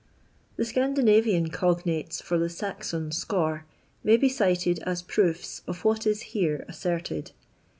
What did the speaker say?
The Scan dinavian cognates for the Saxon seor may be cited as proofii of what is here asserted.